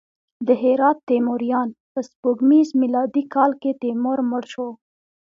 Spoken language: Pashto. د هرات تیموریان: په سپوږمیز میلادي کال کې تیمور مړ شو.